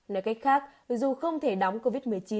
nói cách khác vì dù không thể đóng covid một mươi chín